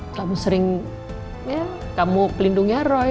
kamu sering ya kamu pelindungi roy